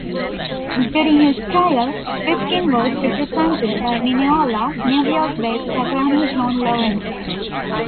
During his trial, Rifkin was represented by Mineola, New York-based attorney John Lawrence.